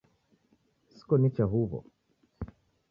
Sikonicha huwo